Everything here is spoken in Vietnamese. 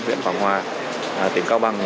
viện quảng hòa tỉnh cao bằng